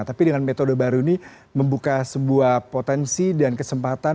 tapi dengan metode baru ini membuka sebuah potensi dan kesempatan